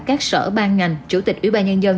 các sở ban ngành chủ tịch ủy ban nhân dân